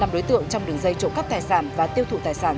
năm đối tượng trong đường dây trộm cắp tài sản và tiêu thụ tài sản